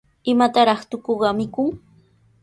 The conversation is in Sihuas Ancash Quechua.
¿Imataraq tukuqa mikun?